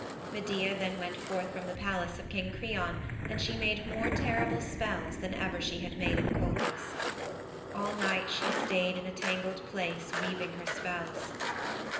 Medea then went forth from the palace of King Creon and she made more terrible spells than ever she had made in Colchis. All night she stayed in a tangled place weaving her spells.